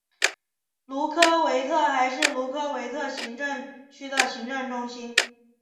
卢科维特还是卢科维特行政区的行政中心。